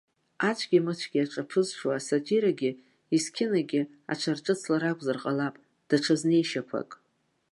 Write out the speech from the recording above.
Ацәгьамыцәгьа ҿаԥызҽуа асатирагьы есқьынагьы аҽарҿыцлар акәзар ҟалап, даҽа знеишьақәак.